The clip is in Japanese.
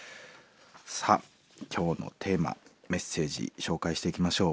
さあ今日のテーマメッセージ紹介していきましょう。